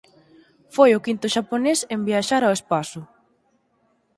Foi o quinto xaponés en viaxar ao espazo.